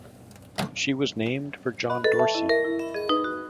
She was named for John Dorsey.